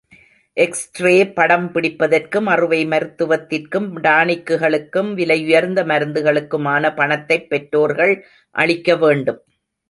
X ray படம் பிடிப்பதற்கும், அறுவை மருத்துவத்திற்கும், டானிக்குகளுக்கும், விலையுயர்ந்த மருந்துகளுக்குமான பணத்தைப் பெற்றோர்கள் அளிக்க வேண்டும்.